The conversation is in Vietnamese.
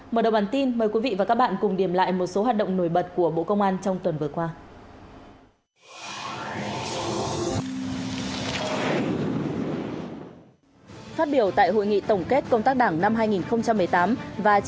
mở đầu bản tin mời quý vị và các bạn cùng điểm lại một số hoạt động nổi bật của bộ công an trong tuần vừa qua